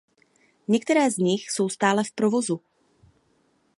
Některé z nich jsou stále v provozu.